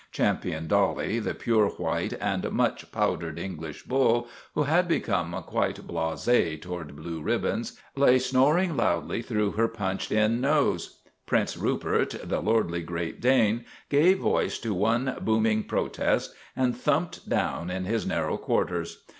Champion Dolly, the pure white and much powdered English bull, who had become quite blase toward blue ribbons, lay snoring loudly through her punched in nose. Prince Rupert, the lordly Great Dane, gave voice to one booming protest, and thumped down in his narrow quarters.